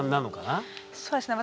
そうですね